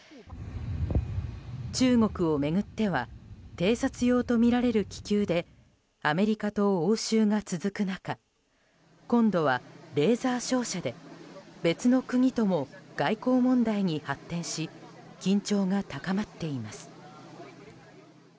中国を巡っては偵察用とみられる気球でアメリカと応酬が続く中今度はレーザー照射で別の国とも外交問題に発展し緊張が高まっています。